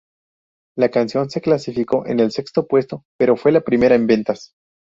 La canción se clasificó en el sexto puesto, pero fue la primera en ventas.